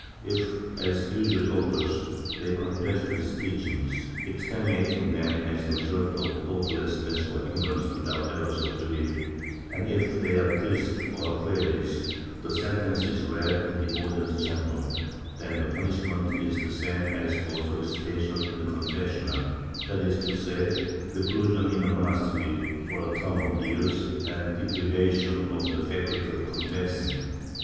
If, as usually occurs, they confess to these teach ings, extenuating them as the result of thoughtlessness or ignorance without errors of belief, and if they are priests or frailes, the sen tence is read in the audience chamber and the punishment is the same as for solicitation in the confessional — that is to say, reclusion in a monastery for a term of years and deprivation of the faculty of confessing.